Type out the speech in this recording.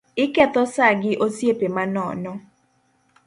Iketho saa gi osiepe manono